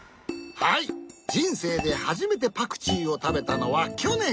はいじんせいではじめてパクチーをたべたのはきょねん！